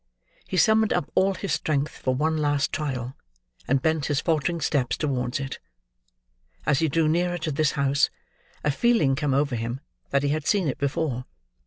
He summoned up all his strength for one last trial, and bent his faltering steps towards it. As he drew nearer to this house, a feeling come over him that he had seen it before.